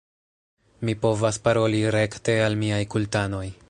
Mi povas paroli rekte al miaj kultanoj